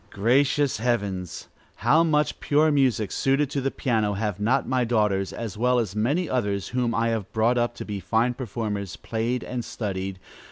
Gracious heavens! how much pure music, suited to the piano, have not my daughters, as well as many others whom I have brought up to be fine performers, played and studied!